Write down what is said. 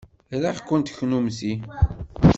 Riɣ-kent kennemti.